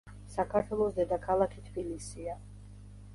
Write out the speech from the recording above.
საქართველოს დედაქალაქი თბილისია